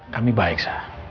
kami baik sa